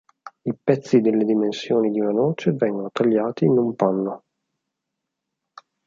I pezzi delle dimensioni di una noce vengono tagliati in un panno.